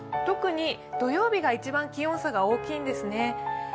特に土曜日が一番気温差が大きいんですね。